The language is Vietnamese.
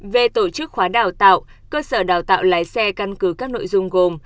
về tổ chức khóa đào tạo cơ sở đào tạo lái xe căn cứ các nội dung gồm